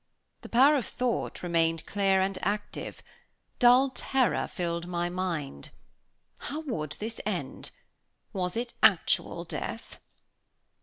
The power of thought remained clear and active. Dull terror filled my mind. How would this end? Was it actual death?